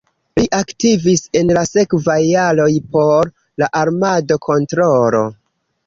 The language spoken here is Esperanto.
Li aktivis en la sekvaj jaroj por la armado-kontrolo.